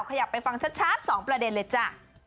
ขยับไปฟังชัด๒ประเด็นเลยจ้ะ